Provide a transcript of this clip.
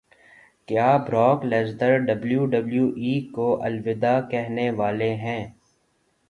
کیا Brock Lesnar W W E کو الوداع کہنے والے ہیں